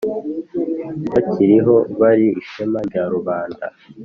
bakiriho bari ishema rya rubanda.